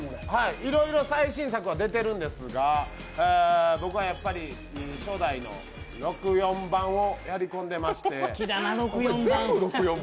いろいろ最新作は出ているんですが、僕はやっぱり初代の６４版をやり込んでまして。